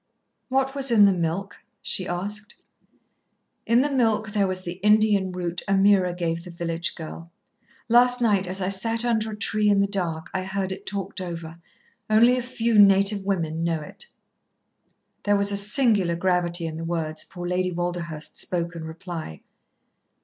"What was in the milk?" she asked. "In the milk there was the Indian root Ameerah gave the village girl. Last night as I sat under a tree in the dark I heard it talked over. Only a few native women know it." There was a singular gravity in the words poor Lady Walderhurst spoke in reply.